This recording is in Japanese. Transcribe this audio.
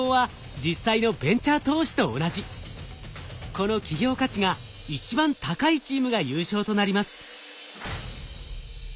この企業価値が一番高いチームが優勝となります。